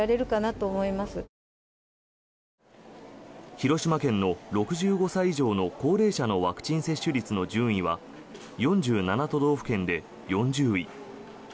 広島県の６５歳以上の高齢者のワクチン接種率の順位は４７都道府県で４０位。